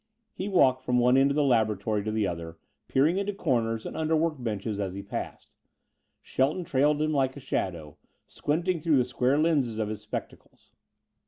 He walked from one end of the laboratory to the other, peering into corners and under work benches as he passed. Shelton trailed him like a shadow, squinting through the square lenses of his spectacles.